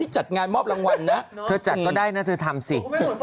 จัดงานมอบรางวัลนะเธอจัดก็ได้นะเธอทำสิ